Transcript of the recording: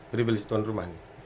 privilege tuan rumah